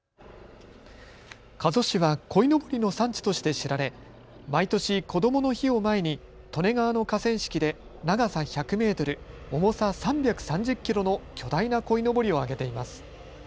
加須市はこいのぼりの産地として知られ、毎年こどもの日を前に利根川の河川敷で長さ１００メートル、重さ３３０キロの巨大なこいのぼりを揚げています。